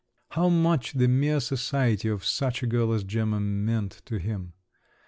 How much the mere society of such a girl as Gemma meant to him!